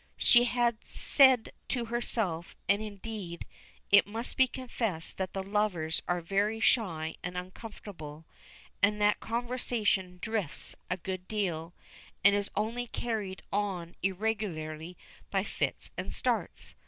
She had said to herself; and, indeed, it must be confessed that the lovers are very shy and uncomfortable, and that conversation drifts a good deal, and is only carried on irregularly by fits and starts.